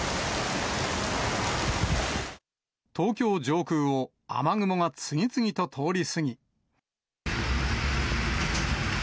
東京上空を雨雲が次々と通り過ぎ。